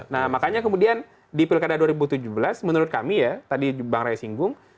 nah makanya kemudian di pilkada dua ribu tujuh belas menurut kami ya tadi bang ray singgung